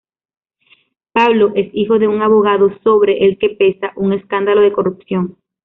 Pablo es hijo de un abogado sobre el que pesa un escándalo de corrupción.